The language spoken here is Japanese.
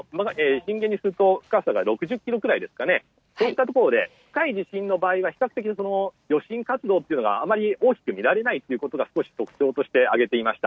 震源にすると深さが６０ｋｍぐらいでそういったところで深い地震の場合は比較的余震活動はあまり大きく見られないということを少し特徴として挙げていました。